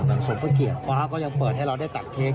สมพระเกียรติฟ้าก็ยังเปิดให้เราได้ตัดเค้ก